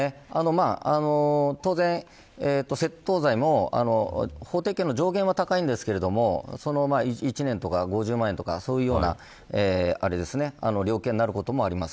当然、窃盗罪も法的な上限は高いんですけど１年とか５０万円とかそういうような量刑になることもあります。